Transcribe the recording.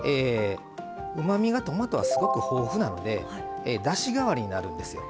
うまみがトマトはすごく豊富なのでだしがわりになるんですよ。